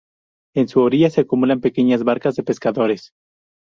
En su orilla se acumulan pequeñas barcas de pescadores.